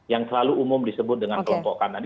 yang selalu umum disebut dengan kelompok kanan